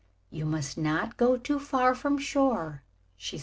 "You must not go too far from shore," said she.